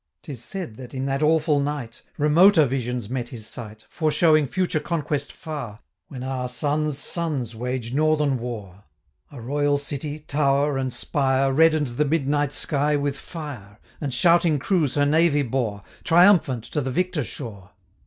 'Tis said, that, in that awful night, 480 Remoter visions met his sight, Foreshowing future conquest far, When our sons' sons wage northern war; A royal city, tower and spire, Redden'd the midnight sky with fire, 485 And shouting crews her navy bore, Triumphant, to the victor shore.